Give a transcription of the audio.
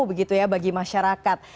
begitu ya bagi masyarakat